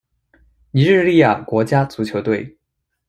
尼日利亚国家足球队